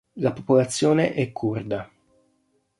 La popolazione è curda.